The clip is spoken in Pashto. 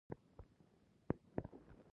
ځکه چې يو شعر کښې وائي :